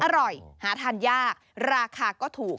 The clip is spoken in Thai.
อร่อยหาทานยากราคาก็ถูก